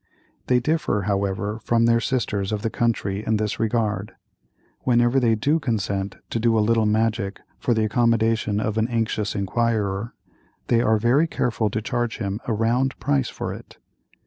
They differ, however, from their sisters of the country in this regard; whenever they do consent to do a little magic for the accommodation of an anxious inquirer, they are very careful to charge him a round price for it.